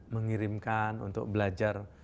mengirimkan untuk belajar